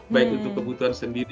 baik untuk kebutuhan sendiri